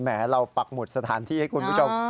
เราปักหมุดสถานที่ให้คุณผู้ชม